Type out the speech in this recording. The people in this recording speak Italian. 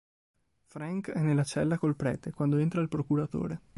Frank è nella cella col prete, quando entra il procuratore.